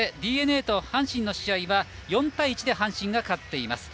ＤｅＮＡと阪神の試合は４対１で阪神が勝っています。